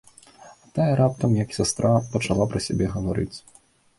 А тая раптам, як сястра, пачала пра сябе гаварыць.